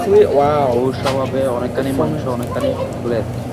ওর স্বভাবে অনেকখানি মাংস, অনেকখানি ক্লেদ।